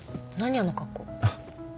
あの格好。